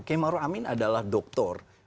kemaru amin adalah dokter